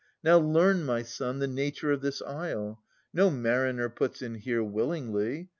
Now learn, my son, the nature of this isle. No mariner puts in here willingly.